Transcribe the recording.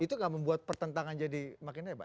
itu gak membuat pertentangan jadi makin hebat